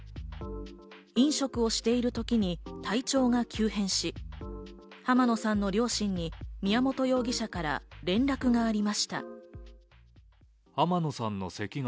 飲食をしている時に体調が急変し、浜野さんの両親に宮本容疑者から連絡がありました。